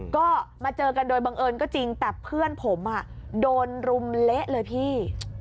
ก็มาเจอกันโดยบังเอิญก็จริงแต่เพื่อนผมโดนรุมเละเลยพี่